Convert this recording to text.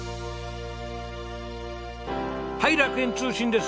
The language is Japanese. はい楽園通信です。